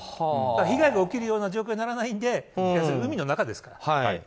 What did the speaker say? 被害が起きるような状況にならないので海の中ですから。